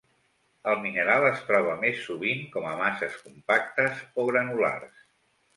El mineral es troba més sovint com a masses compactes o granulars.